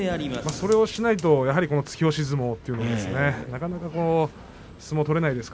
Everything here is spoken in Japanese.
それをしないと突き押し相撲はなかなか相撲が取れません。